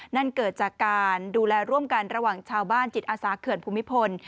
นั่นเกิดจากการดูแลร่วมกันระหว่างชาวบ้านจิตอาสาเขื่อนภูมิพล